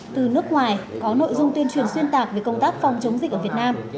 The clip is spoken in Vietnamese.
từ nước ngoài có nội dung tuyên truyền xuyên tạc về công tác phòng chống dịch ở việt nam